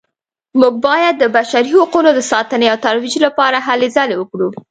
موږ باید د بشري حقونو د ساتنې او ترویج لپاره هلې ځلې وکړو